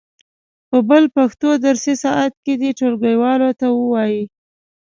په بل پښتو درسي ساعت کې دې ټولګیوالو ته و وایي.